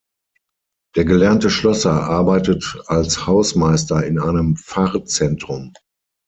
Der gelernte Schlosser arbeitet als Hausmeister in einem Pfarrzentrum.